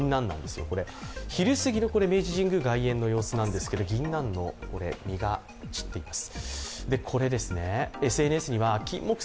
昼過ぎの明治神宮外苑の様子なんですけどぎんなんの実が散っています。